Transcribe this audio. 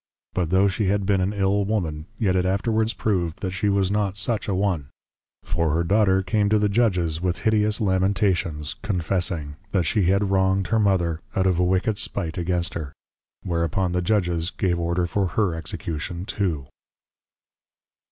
But tho' she had been an Ill Woman, yet it afterwards prov'd that she was not such an one; for her Daughter came to the Judges, with hideous Lamentations, Confessing, That she had wronged her Mother, out of a wicked spite against her; whereupon the Judges gave order for her Execution too.